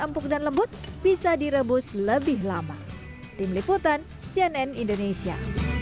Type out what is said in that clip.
empuk dan lembut bisa direbus lebih lama tim liputan cnn indonesia